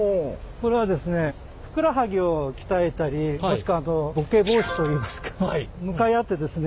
これはですねふくらはぎを鍛えたりもしくはボケ防止といいますか向かい合ってですね